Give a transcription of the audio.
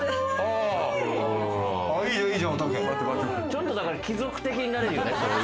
ちょっと貴族的になるよね。